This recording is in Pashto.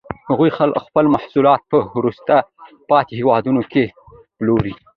هغوی خپل محصولات په وروسته پاتې هېوادونو کې پلوري